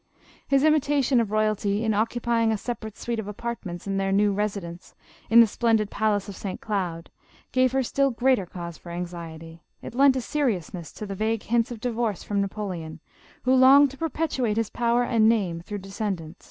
His imitation of royalty in oc cupying a separate suite of apartments in their new residence in the splendid palace of St. Cloud, gave her still greater cause for anxiety ; it lent a seriousness to the vague hints of divorce from Napoleon, who longed to perpetuate his power and name through descendants.